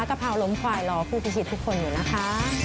กะเพราล้มควายรอผู้พิจิตทุกคนอยู่นะคะ